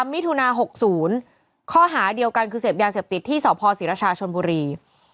มิถุนา๖๐ข้อหาเดียวกันคือเสพยาเสพติดที่สพศรีรชาชนบุรี